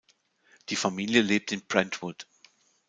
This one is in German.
Die Familie lebt in Brentwood.